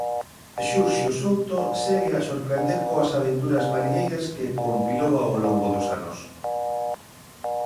Xurxo Souto segue a sorprender coas aventuras mariñeiras que compilou ao longo dos anos.